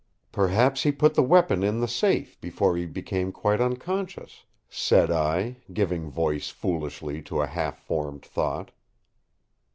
"Perhaps he put the weapon in the safe before he became quite unconscious," said I, giving voice foolishly to a half formed thought.